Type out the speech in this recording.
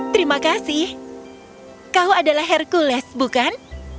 terima kasih kau adalah hercules bukan